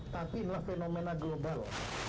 tapi inilah fenomena global